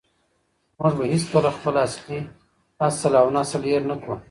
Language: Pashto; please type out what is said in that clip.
موږ به هېڅکله خپل اصل او نسل هېر نه کړو.